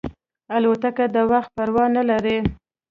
الوتکه د وخت پروا نه لري.